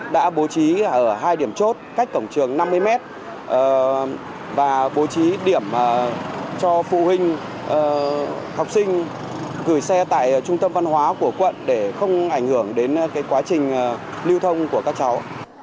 đã bố trí ở hai điểm chốt cách cổng trường năm mươi mét và bố trí điểm cho phụ huynh học sinh gửi xe tại trung tâm văn hóa của quận để không ảnh hưởng đến quá trình lưu thông của các cháu